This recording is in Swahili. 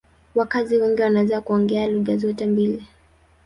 Wakazi wengi wanaweza kuongea lugha zote mbili.